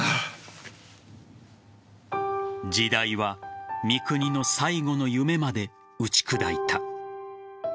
時代は三國の最後の夢まで打ち砕いた。